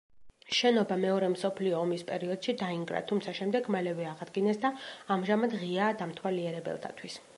შენობა მეორე მსოფლიო ომის პერიოდში დაინგრა, თუმცა შემდეგ მალევე აღადგინეს და ამჟამად ღიაა დამთვალიერებელთათვის.